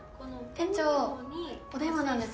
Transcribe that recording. ・店長お電話なんです。